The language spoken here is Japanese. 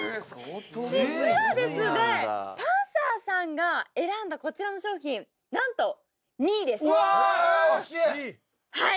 実はですねパンサーさんが選んだこちらの商品なんと２位ですうわ惜しい！